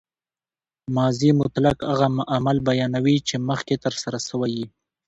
ماضي مطلق هغه عمل بیانوي، چي مخکښي ترسره سوی يي.